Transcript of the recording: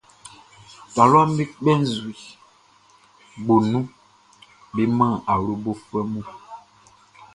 Taluaʼm be kpɛ nzue gboʼn nun be man awlobofuɛ mun.